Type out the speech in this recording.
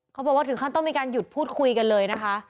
เขาบอกว่าถึงขั้นต้องมีการหยุดพูดคุยกันเลยนะคะ